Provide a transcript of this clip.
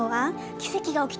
奇跡が起きたの。